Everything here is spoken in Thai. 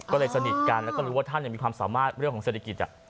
ก็เลยสนิทกันแล้วก็รู้ว่าท่านมีความสามารถเรื่องของเศรษฐกิจ